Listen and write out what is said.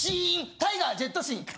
タイガー・ジェット・シン。